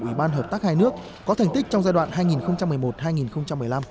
ủy ban hợp tác hai nước có thành tích trong giai đoạn hai nghìn một mươi một hai nghìn một mươi năm